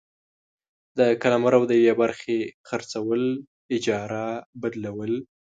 د قلمرو د یوې برخي خرڅول ، اجاره ، بدلول،